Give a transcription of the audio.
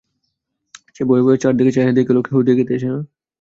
সে ভয়ে ভয়ে চারিদিকে চাহিয়া দেখিল কেহ দেখিতেছে কিনা।